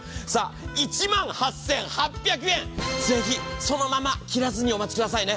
１万８８００円、ぜひそのままお待ちくださいね。